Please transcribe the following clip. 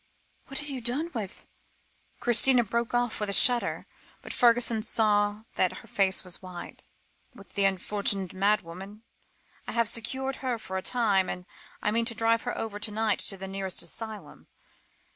"What have you done with " Christina broke off with a shudder, but Fergusson saw that her face was white. "With the unfortunate madwoman? I have secured her for the time, and I mean to drive her over to night to the nearest asylum.